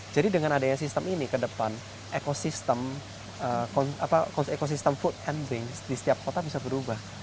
jadi dengan adanya sistem ini ke depan ekosistem food and drink di setiap kota bisa berubah